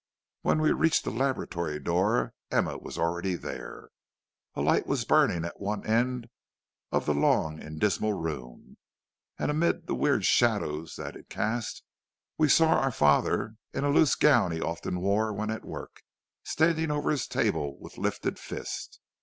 When we reached the laboratory door Emma was already there. A light was burning at one end of the long and dismal room, and amid the weird shadows that it cast we saw our father in a loose gown he often wore when at work, standing over his table with lifted fist.